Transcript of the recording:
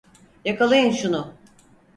Yakalayın şunu!